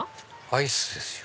アイスですよ。